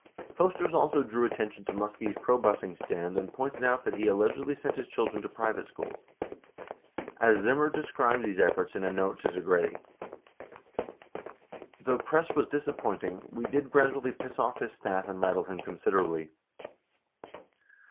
Posters also drew attention to Muskie's probusing stand and pointed out that he allegedly sent his children to private schools. 17 As Zimmer described these efforts in a note to Segretti, "Though press was disappointing ... we did grandly piss off his staff and rattle him considerably."